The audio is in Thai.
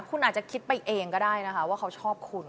คุณอาจจะคิดไปเองก็ได้นะคะว่าเขาชอบคุณ